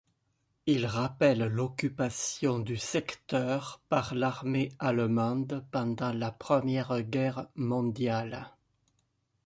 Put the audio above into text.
Il rappelle l'occupation du secteur par l'armée allemande pendant la Première Guerre mondiale.